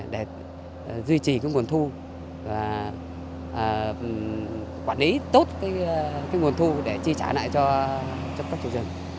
để duy trì nguồn thu và quản lý tốt nguồn thu để chi trả lại cho các chủ rừng